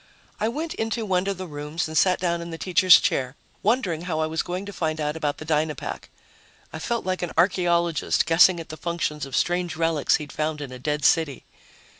I went into one of the rooms and sat down in the teacher's chair, wondering how I was going to find out about the Dynapack. I felt like an archaeologist guessing at the functions of strange relics he'd found in a dead city.